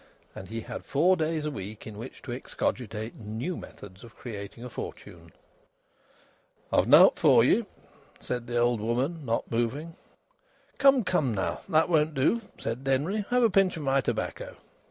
And he had four days a week in which to excogitate new methods of creating a fortune. "I've nowt for ye," said the old woman, not moving. "Come, come, now! That won't do," said Denry. "Have a pinch of my tobacco."